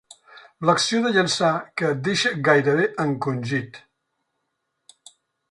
L'acció de llançar que et deixa gairebé encongit.